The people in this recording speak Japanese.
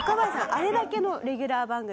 あれだけのレギュラー番組